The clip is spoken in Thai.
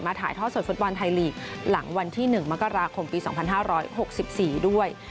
ถ่ายทอดสดฟุตบอลไทยลีกหลังวันที่๑มกราคมปี๒๕๖๔ด้วย